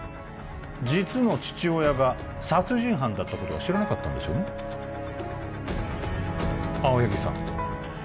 実の父親が殺人犯だったことは知らなかったんですよね青柳さん